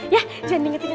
ya jangan inget inget